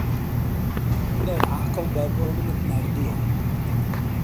هونەر عاقڵ بە بۆ منت ناردوە